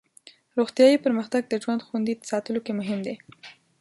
روغتیایي پرمختګ د ژوند خوندي ساتلو کې مهم دی.